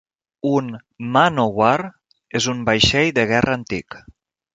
Un "Man o' War" és un vaixell de guerra antic.